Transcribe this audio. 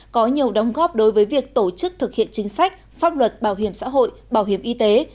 có nhiều đóng góp đối với việc tổ chức thực hiện chính sách pháp luật bảo hiểm xã hội bảo hiểm y tế